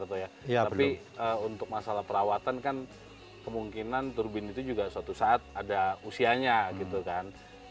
tapi untuk masalah perawatan kan kemungkinan turbin itu juga suatu saat ada usianya gitu kan